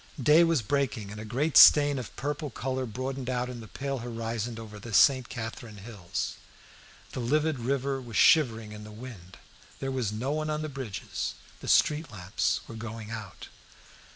Day was breaking, and a great stain of purple colour broadened out in the pale horizon over the St. Catherine hills. The livid river was shivering in the wind; there was no one on the bridges; the street lamps were going out.